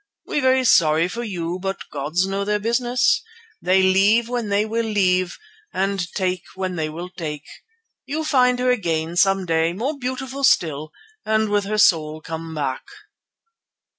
We very sorry for you, but gods know their business. They leave when they will leave, and take when they will take. You find her again some day more beautiful still and with her soul come back."